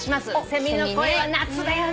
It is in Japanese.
「セミの声」は夏だよね。